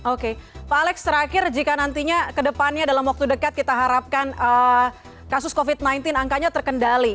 oke pak alex terakhir jika nantinya ke depannya dalam waktu dekat kita harapkan kasus covid sembilan belas angkanya terkendali